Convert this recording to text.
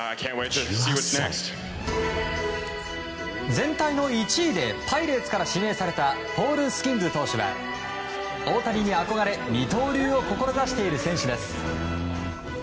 全体の１位でパイレーツから指名されたポール・スキンズ投手は大谷に憧れ二刀流を志している選手です。